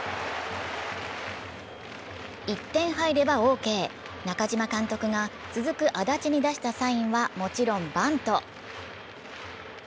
１点入ればオーケー、中嶋監督が続く安達に出したサインはもちろんバント。